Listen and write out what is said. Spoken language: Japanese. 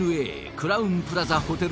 クラウンプラザホテル